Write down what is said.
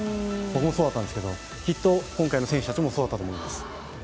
僕もそうだったんですけど、きっと今回の選手たちもそうだったと思います。